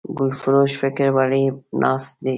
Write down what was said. ګلفروش فکر وړی ناست دی